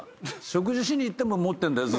食事しに行っても持ってんだよ